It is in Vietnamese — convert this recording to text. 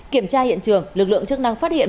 kiểm tra hiện trường lực lượng chức năng phát hiện